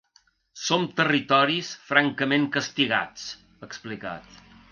Som territoris francament castigats, ha explicat.